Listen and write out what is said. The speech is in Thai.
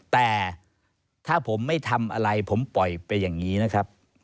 แต่ถ้าผมไม่ทำอะไรผมปล่อยไปอย่างนี้นะครับ